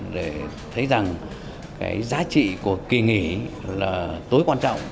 để thấy rằng cái giá trị của kỳ nghỉ là tối quan trọng